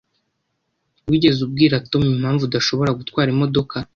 Wigeze ubwira Tom impamvu udashobora gutwara imodoka?